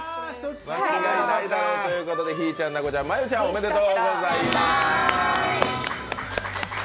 間違いないでしょうということでひぃちゃん、奈子ちゃん、真悠ちゃん、おめでとうございます。